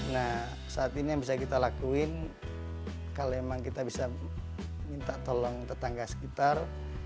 nah saat ini yang bisa kita lakuin kalau memang kita bisa minta tolong tetangga sekitar